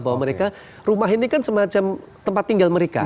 bahwa mereka rumah ini kan semacam tempat tinggal mereka